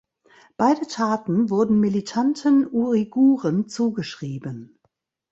Beide Taten wurden militanten Uiguren zugeschrieben.